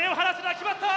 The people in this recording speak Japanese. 決まった！